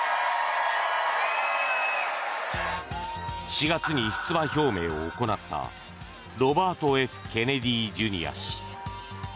４月に出馬表明を行ったロバート・Ｆ・ケネディ・ジュニア氏。